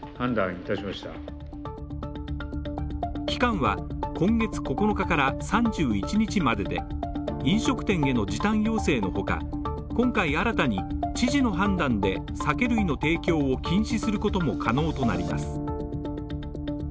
期間は今月９日から３１日までで、飲食店への時短要請のほか、今回新たに知事の判断で酒類の提供を禁止することも可能となります。